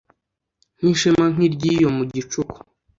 n'ishema nk'iry'iyo mu gicu